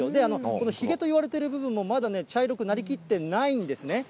このひげといわれてる部分もまだね、茶色くなりきっていないんですね。